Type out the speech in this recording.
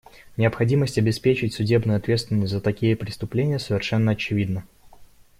Необходимость обеспечить судебную ответственность за такие преступления совершенно очевидна.